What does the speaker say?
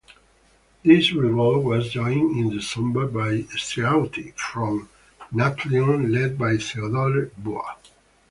This revolt was joined in December by "stratioti" from Nafplion led by Theodore Bua.